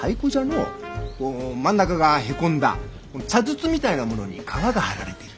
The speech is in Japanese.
真ん中がへこんだ茶筒みたいなものに革が張られてる。